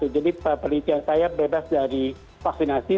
jadi penelitian saya bebas dari vaksinasi